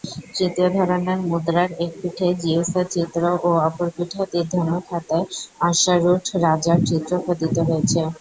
তৃতীয় ধরনের মুদ্রার এক পিঠে জিউসের চিত্র ও অপর পিঠে তীর ধনুক হাতে অশ্বারূঢ় রাজার চিত্র খোদিত রয়েছে।